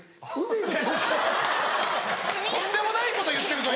とんでもないこと言ってるぞ